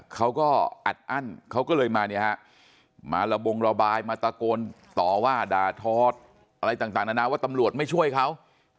เขาก็อัดอั้นเขาก็เลยมาเนี่ยฮะมาระบงระบายมาตะโกนต่อว่าด่าทออะไรต่างนานาว่าตำรวจไม่ช่วยเขา